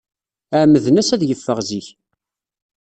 Ɛemmden-as ad yeffeɣ zik.